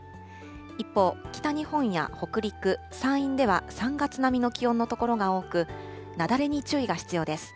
一方、北日本や北陸、山陰では３月並みの気温の所が多く、雪崩に注意が必要です。